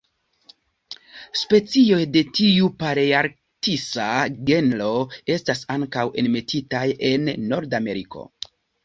Specioj de tiu palearktisa genro estas ankaŭ enmetitaj en Nordameriko.